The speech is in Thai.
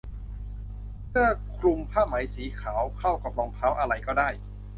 เสื้อคลุมผ้าไหมสีขาวเข้ากับรองเท้าอะไรก็ได้